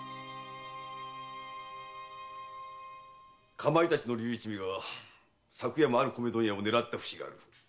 カマイタチの竜一味が昨夜もある米問屋を狙った節がある。